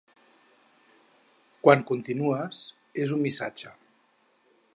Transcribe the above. Quan continues és un missatge.